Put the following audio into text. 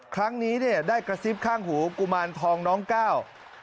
ครั้งนี้เนี่ยได้กระซิบข้างหูกุมารทองน้องก้าว